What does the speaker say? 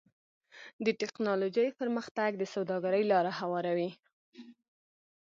د ټکنالوجۍ پرمختګ د سوداګرۍ لاره هواروي.